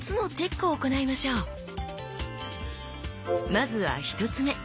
まずは１つ目！